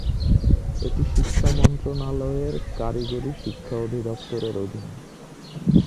এটি শিক্ষা মন্ত্রণালয়ের কারিগরি শিক্ষা অধিদপ্তরের অধীনে।